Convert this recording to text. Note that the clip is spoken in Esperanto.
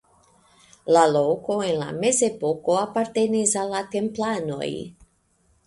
La loko en la Mezepoko apartenis al la Templanoj.